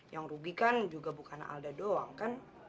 yang rugi kan juga bukan alda doang kan